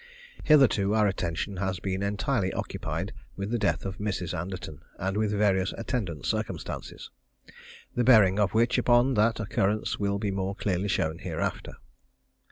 Hitherto our attention has been entirely occupied with the death of Mrs. Anderton, and with various attendant circumstances, the bearing of which upon that occurrence will be more clearly shown hereafter.